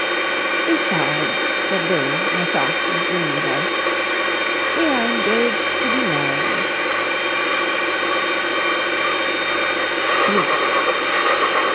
"Besides," said Billie in a soft and dreamy voice, "we are engaged to be married!"